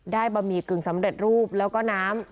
บะหมี่กึ่งสำเร็จรูปแล้วก็น้ำ